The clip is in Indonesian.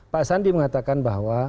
pak sandi mengatakan bahwa